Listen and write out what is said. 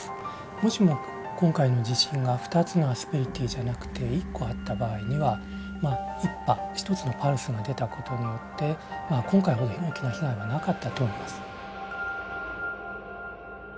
もしも今回の地震が２つのアスペリティじゃなくて１個あった場合には１波１つのパルスが出たことによって今回ほど大きな被害はなかったと思います。